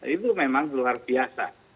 itu memang luar biasa